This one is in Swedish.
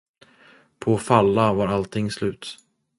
På Falla var allting slut.